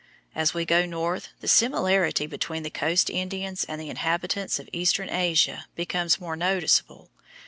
As we go north the similarity between the coast Indians and the inhabitants of eastern Asia becomes more noticeable.